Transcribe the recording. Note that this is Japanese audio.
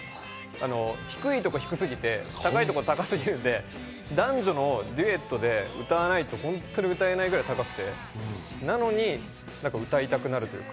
低いところは低すぎて、高いところは高すぎて男女のデュエットで歌わないと歌えないぐらい高くて、なのに歌いたくなる。